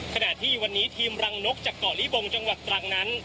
ขณะที่วันนี้ทีมรังนกจากเกาะลิบงจังหวัดตรังนั้น